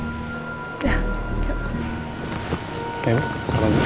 oke pak sanusi